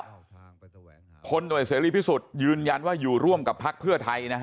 พลหน่วยเสรีพิสุทธิ์ยืนยันว่าอยู่ร่วมกับพักเพื่อไทยนะฮะ